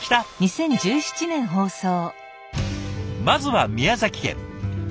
まずは宮崎県。